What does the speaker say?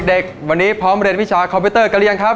เด็กวันนี้พร้อมเรียนวิชาคอมพิวเตอร์กันหรือยังครับ